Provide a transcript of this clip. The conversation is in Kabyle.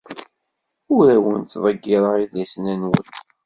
Ur awen-ttḍeggireɣ idlisen-nwen.